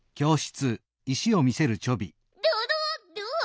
どうどう？